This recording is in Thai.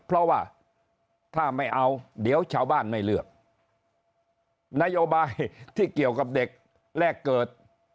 เพราะว่าถ้าไม่เอาเดี๋ยวชาวบ้านไม่เลือกนโยบายที่เกี่ยวกับเด็กแรกเกิด